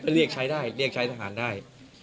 เรียกใช้ได้เรียกใช้ทหารได้